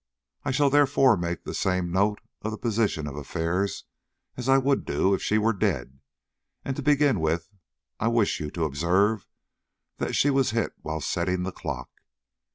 I shall therefore make the same note of the position of affairs as I would do if she were dead; and to begin with, I wish you to observe that she was hit while setting the clock."